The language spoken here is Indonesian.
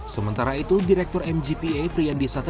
sementara itu direktur mgpa priyandi sata